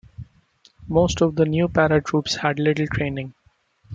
Most of the new paratroops had little training.